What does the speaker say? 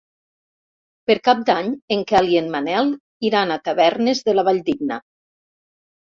Per Cap d'Any en Quel i en Manel iran a Tavernes de la Valldigna.